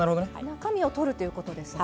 中身を取るということですね。